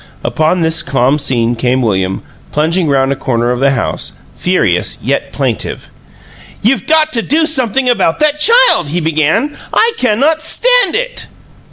Upon this calm scene came William, plunging round a corner of the house, furious yet plaintive. "You've got to do something about that child!" he began. "I CAN not stand it!"